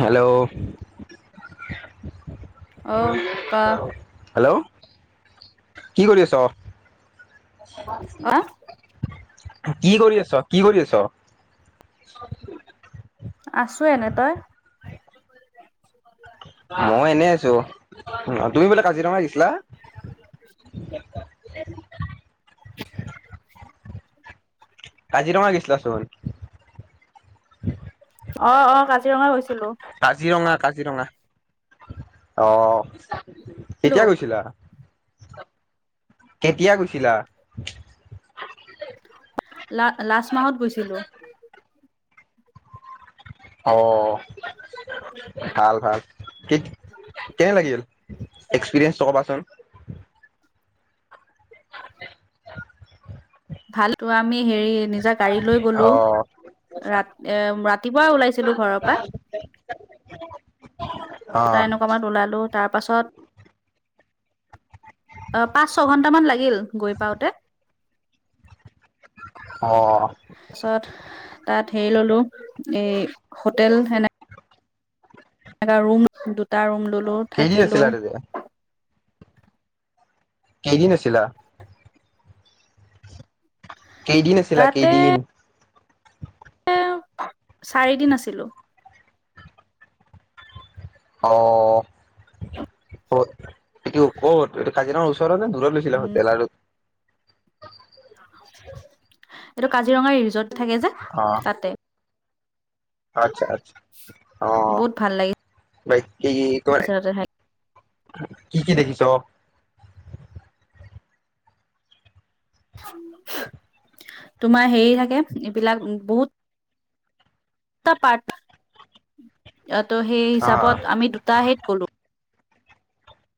Hello? অহ ক hello কি কৰি আছ? [unintelligible] হা! কি কৰি আছ, কি কৰি আছ? [unintelligible] আছোঁ, এনে তই? মই এনেই আছো, তুমি বোলে কাজিৰঙা আহিছিলা। [unintelligible] কাজিৰঙা গেখিলা চোন। অ', অ' কাজিৰঙা গৈছিলো। কাজিৰঙা, কাজিৰঙা অ', অ'। লো কেতিয়া গৈছিলা, কেতিয়া গৈছিলা? লা-লাষ্ট মাহত গৈছিলো। অ', অ'। ভাল ভাল, কি কেনে লাগিল। এক্সপিৰিয়েঞ্চটো ক'বাচোন? ভালটো আমি হেৰি, নিজা গাড়ী লৈ গ'লো। অ ৰাত, এ ৰাতিপুৱা ওলাইছিলো ঘৰৰ পৰা। [unintelligible] তা এনেকুৱা মানত ওলালোঁ, তাৰপাছত অ' পাঁচ-ছঘণ্টামান লাগিল, গৈ পাওঁতে। অ', অ', অ'। তাৰপাছত, তাত হেৰি ল'লো এই হোটেল সেনে এটা ৰুম দুটা ৰুম ললো। কেইদিন থাকিলো আছিলা আৰু যে কেইদিন আছিলা? কেইদিন আছিলা তাতে কেইদিন? অ চাৰিদিন আছিলো। অ এইটো ক'ত এইটো কাজিৰঙাৰ ওচৰত নে দূৰ কত দেখিলো ট্ৰেইলাৰত এইটো কাজিৰঙাৰ ৰিজৰ্ট থাকে যে অ তাতে আচ্ছা আচ্ছা অ বহুত ভাল লাগিছে বাই কি কয় তাতে থাকি কি কি দেখিছ তোমাৰ হেৰি থাকে, এইবিলাক বহুত দুটা পাৰ্ট ত সেই অ হিচাপত আমি দুটাহে গলো।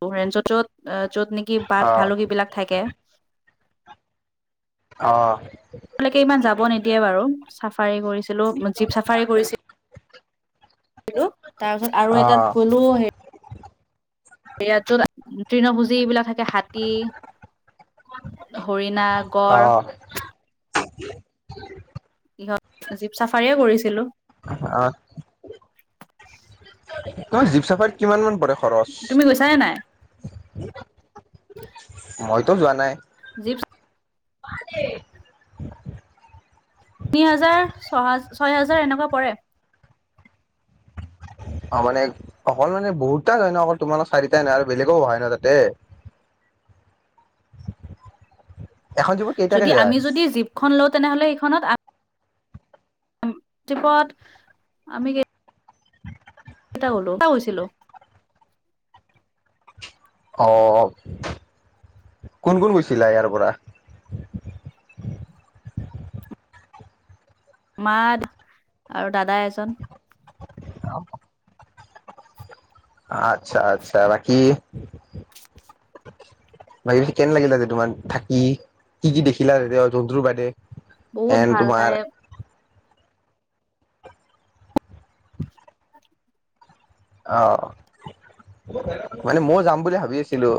অভয়াৰণ্য য'ত, য'ত নেকি বাঘ, অ ভালুক এইবিলাক থাকে। অ তালেকে ইমান যাব নিদিয়ে বাৰু, চাফাৰি কৰিছিলো, জীপ চাফাৰি কৰিছি লো তাৰপিছত আৰু অ এটাত গলো মই। ইয়াত যত তৃণভূজী এইবিলাক থাকে হাত হাতী, হৰিণা, গড় অ কিহত, জীপ চাফাৰীয়ে কৰিছিলো। অ তোমাৰ জীপ চাফাৰীত কিমান মান পৰে? খৰচ, তুমি গৈছানে নাই মইতো যোৱা নাই। জীপ এনেই তিনি হাজাৰ, ছ ছয় হাজাৰ এনেকোৱা পৰে। অ মানে অকল মানে বহুতটা হয় ন অকল তোমালোক চাৰিটাই নাই আৰু বেলেগো হয় ন' তাতে। এখন জীপত কেইটাকে যায়? খন লও, তেনেহ'লে ইখনত আ জীপত আমি [unintelligible] অ কোন-কোন গৈছিলা ইয়াৰ পৰা? মা আৰু দাদা এজন। অ আচ্ছা আচ্ছা, বাকী বাকি কেনে লাগিলে যে তোমাৰ থাকি, কি কি দেখিলা এয়া জন্তুৰ বাদে? বহুত এন ভাল তোমাৰ তাই। অ মানে মইও যাম বুলি ভাবিছিলো।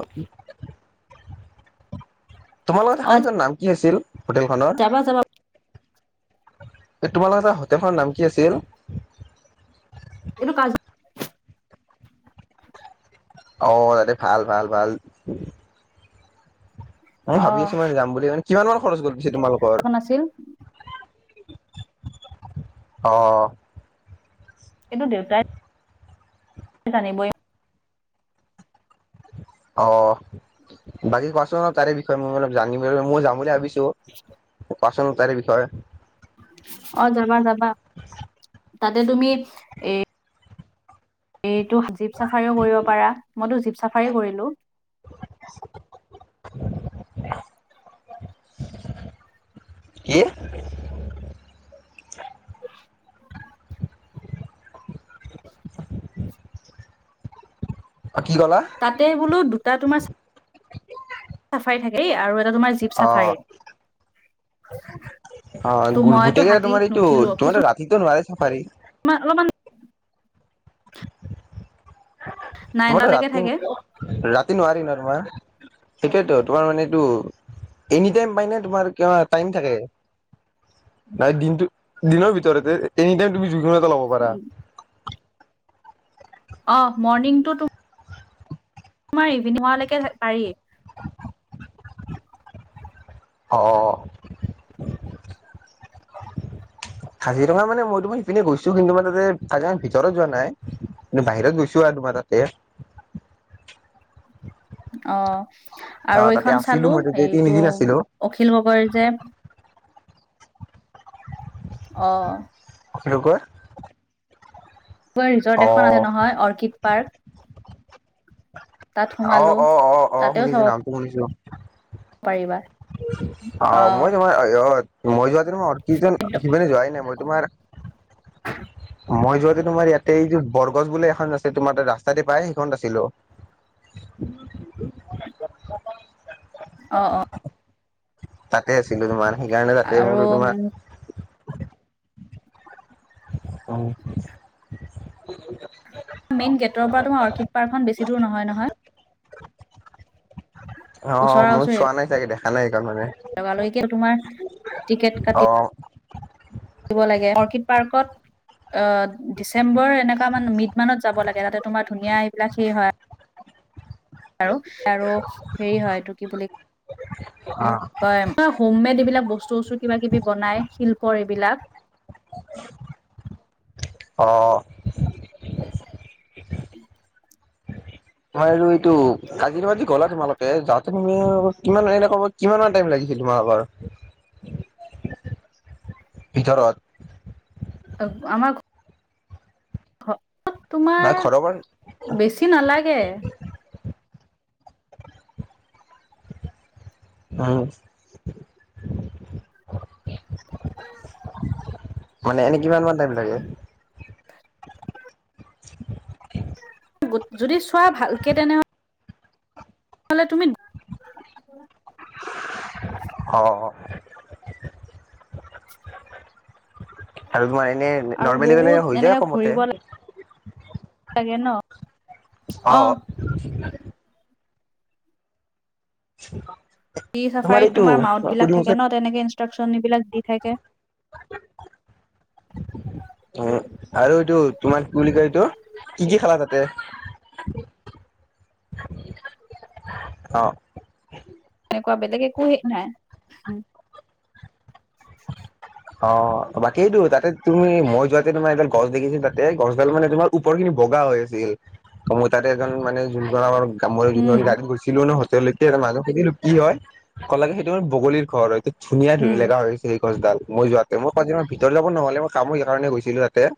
তোমালোকে অ থকা সেইখন নাম কি আছিল, হোটেলখনৰ? যাবা যাবা যে তোমালোকে থকা হোটেলখনৰ নাম কি আছিল? এইটো কাজ অ তাতে ভাল ভাল ভাল। মই অ ভাবি আছো মানে যাম বুলি কিমান মান খৰচ গল পিছে তোমালোক অহা নাছিল। অ। কিন্তু দেউতাই জানিবই অ', বাকী কোৱাচোন ন' তাৰে বিষয়ে, মই অলপ জানিব, মই যাম বুলি ভাবিছো। [inaudible] কোৱাচোন তাৰে বিষয়ে। অ যাবা যাবা, তাতে তুমি এ এইটো জীপ চাফাৰীও কৰিব পাৰা, মইতো জীপ চাফাৰী কৰিলো। [inaudible] কি? [inaudible] অ' কি কলা? তাতে বোলো দুটা তোমাৰ চাফাৰী থাকে দেই, আৰু এটা তোমাৰ জীপ অ', চাফাৰী। ত' অ' মইতো গোটেইকেইটা হাতীত তোমাৰ এইটো, তোমাৰ ৰাতিতো নহয় চাফাৰী? মা অকমান তোমাৰতো নাইনটালৈকে ৰাতি, থাকে ৰাতি নোৱাৰি ন তোমাৰ? সেইটোৱেতো তোমাৰ মানে এইটো এনি টাইম পাই নে তোমাৰ কিবা টাইম থাকে? নাই দিনটো দিনৰ ভিতৰতে এনি টাইম তুমি যিকোনো এটা লব পাৰা। অ মৰ্ণিংটো তো মাৰ ইভিনিঙ হোৱা লৈকে পাৰি [inaudible] অ। কাজিৰঙা মানে মই তোমাৰ সিপিনে গৈছো কিন্তু মানে তাতে কাজিৰঙাৰ ভিতৰত যোৱা নাই। কিন্ত বাহিৰত গৈছো আৰু তোমাৰ তাতে। অ অ আৰু তাতে এইখন আছিলো চালো মই তাতে এইটো তিনিদিন আছিলো অখিল গগৈৰ যে অ অখিল গগৈৰ অ ৰিজৰ্ট এখন আছে নহয় অৰ্কিড পাৰ্ক তাত অ সোমালো অ অ অ তাতেও শুনিছো চাব নামটো শুনিছো। পাৰিবা অ মই নহয় অ মই যোৱা হেতেনে মই অৰ্কিড সিপিনে যোৱাই নাই মই তোমাৰ [inaudible] মই যোৱাতে তোমাৰ ইয়াতে এইটো বৰগছ বুলি এখন আছে তোমাৰ তাত ৰাস্তাতে পাই এইখনতে আছিলো। অ অ। তাতে আছিলো তোমাৰ সেইকাৰণে তাতে আৰু বোলো তোমাৰ উম মেইন গেটৰ পৰা তোমাৰ অৰ্কিড পাৰ্কখন বেছি দূৰ নহয় নহয়। অ মই চোৱা নাই চাগে দেখা নাই সেইখন মানে লগালগি কে তোমাৰ অ দিব লাগে অৰ্কিড পাৰ্কত অ ডিচেম্বৰ এনেকুৱা মানে মিড মানত যাব লাগে তাতে তোমাৰ ধুনীয়া এইবিলাক সেই হয় আৰু, আৰু হেৰি হয় এইটো কি বুলি অ কয় হোম মেড এইবিলাক বস্তু চস্তু কিবা কিবি বনাই শিল্প এইবিলাক অ। উম্, মইআৰু এইটো, কাজিৰঙাত যে গ'লা তোমালোকে, যাওঁতে তুমি কিমান দিনে সময় কিমান মান টাইম লাগিছিল, তোমাৰ বাৰু? ভিতৰত। আমাৰ ঘৰত তোমাৰ নাই ঘৰৰ পৰা বেছি নালাগে। উম্, মানে, এনেই কিমান মান টাইম লাগে। যদি চোৱা, ভালকে তেনেহ'লে লে তুমি [unintelligible] অ', আৰু তোমাৰ এনেই, আৰু নৰ্মেলি হ'লে বহুত হৈ যায় এনেকে কমতে। ঘূৰিব লাগে ন অ', [unintelligible] হাতী চাফাৰীত তোমাৰ মাউতবিলাক সুধিম থাকে যে ন! তেনেকে ইনষ্ট্ৰাকশ্যনবিলাক দি থাকে। অ', আৰু এইটো তোমাৰ কি বুলি কয় এইটো, কি কি খালা তাতে? অ', এনেকুৱা বেলেগে একো হেৰি নাই। অ', বাকী এইটো, তাতে তুমি মই যোৱাতে তোমাৰ এডাল গছ দেখিছিলোঁ। তাতে গছডাল মানে তোমাৰ ওপৰ খিনি বগা হৈ আছিল, ত' মোৰ তাতে এজন মানে যোন আম উম যোন ছিলোঁ ন', হোটেললৈকে মানুহক সুধিলোঁ, কি হয়? ক'লাগে সেইটো বগলীৰ ঘৰ হয়। ধুনীয়া উম জেগাতে হয় সেইখিনি গছডাল, মই যোৱাতে মই কাজিৰঙাৰ ভিতৰত যাব নহ'লে। মই কামৰ সেইকাৰণে গৈছিলোঁ তাতে।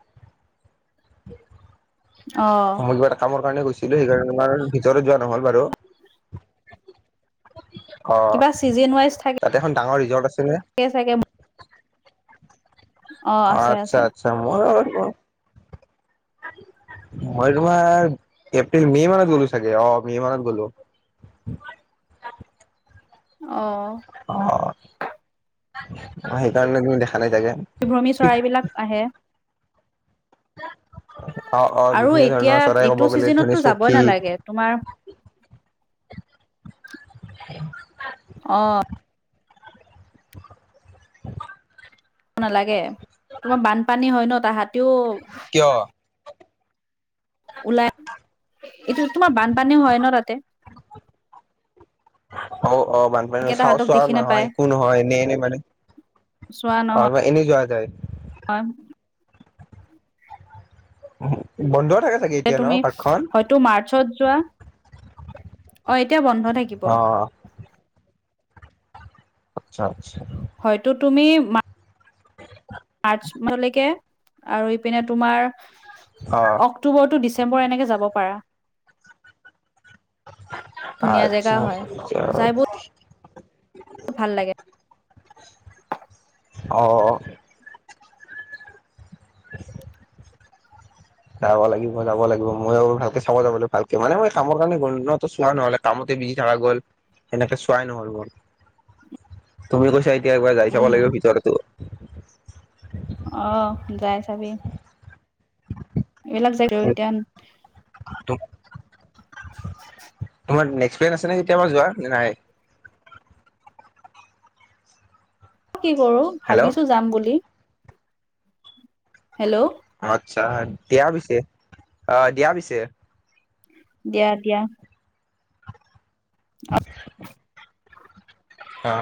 উম্, অ', মই কিবা এটা কামৰ কাৰণে গৈছিলোঁ, সেইকাৰণে ভিতৰত যোৱা নহ'ল বাৰু। কিবা অ', তাত এখন ডাঙৰ ৰিজৰ্ট আছে যে। আছে চাগে অ আছে আচ্ছা আছে আচ্ছা, মইয়ো মই তোমাৰ, এপ্ৰিল মে মানত গ'লো চাগে। অ' মে মানত গ'লো। অ', অ', সেইকাৰণে তুমি দেখা নাই চাগে। পৰিভ্ৰমী চৰাইবিলাক আহে। অ অ আৰু বিভিন্ন এতিয়া, ধৰণৰ চৰাই ক'ব এইটো গ'লে ধনী ছিজনতো যাবই চকী নালাগে। তোমাৰ সেইখন পাত অ', নালাগে, তোমাৰ বানপানী হয় ন', তাহাঁতিও কিয়? ওলাই, এইটো তোমাৰ বানপানী হয় ন' তাতে। অ'অ', বানপানী তাকে মানে চা তাহাঁতক চোৱা দেখি নহয়, নাপায় একো নহয়। এনে এনে মানে অ', মানে এনেই যোৱা যায়। হয়। বন্ধও থাকে চাগে যে এতিয়া ন তুমি পাৰ্কখন হয়তো মাৰ্চত যোৱা অ এতিয়া বন্ধ থাকিব। অ আচ্ছা! আচ্ছা! হয়তো তুমি মা [inaudible] মাৰ্চ মাহলৈকে আৰু ইপিনে তোমাৰ আ অ অক্টোৰটো ডিচেম্বৰ এনেকৈ যাব পাৰা। ধুনীয়া আচ্ছা জেগা হয় আচ্ছা যাই বহুত ভাল লাগে। অ অ অ [inaudible] যাব লাগিব যাব লাগিব ময়ো আৰু ভালকে চাব যাব লাগিব, ভালকে মানে মই কামৰ কাৰণে গলো ন তহ চোৱা নহ'লে। কামতে বিজি থাকা গ'ল সেনেকে চোৱাই নহ'ল মোৰ। তুমি কৈছা এতিয়া একবাৰ যাই চাব উম লাগিব ভিতৰতো। অ যাই চাবি এইবিলাক জেগ উদ্যান তোমাৰ নেক্সট প্লান আছে নে কেতিয়াবা যোৱা নে নাই? কি কৰোঁ হেল্ল' ভাবিছোঁ যাম বুলি। হেল্ল' আচ্ছা! দিয়া পিছে, অ দিয়া পিছে। দিয়া দিয়া। [inaudible] হা